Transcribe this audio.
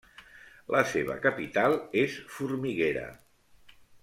La seva capital és Formiguera.